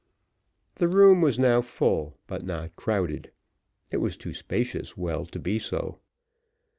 The room was now full, but not crowded, it was too spacious well to be so.